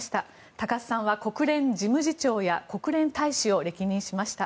高須さんは国連事務次長や国連大使を歴任しました。